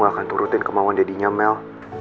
aku gak akan turutin kemauan deddy nyamel